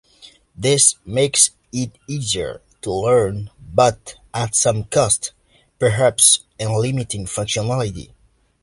This makes it easier to learn but at some cost, perhaps, in limiting functionality.